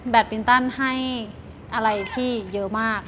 มินตันให้อะไรที่เยอะมาก